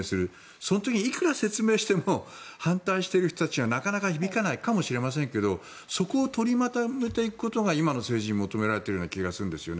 その時にいくら説明しても反対している人たちにはなかなか響かないかもしれませんけどそこを取りまとめていくことが今の政治に求められている気がするんですね。